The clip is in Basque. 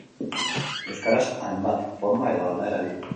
Euskaraz hainbat forma edo aldaera ditu.